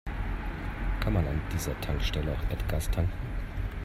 Kann man an dieser Tankstelle auch Erdgas tanken?